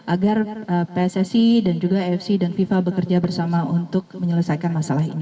agar pssi dan juga afc dan fifa bekerja bersama untuk menyelesaikan masalah ini